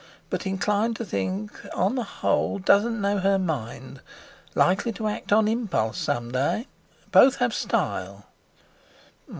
But inclined to think on the whole—doesn't know her mind—likely to act on impulse some day. Both have style.